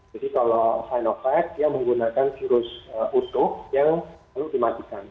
jadi kalau sinovac dia menggunakan virus utuh yang selalu dimatikan